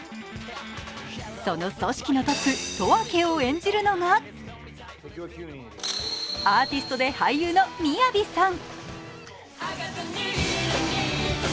その組織のトップ、十朱を演じるのがアーティストで俳優のＭＩＹＡＶＩさん。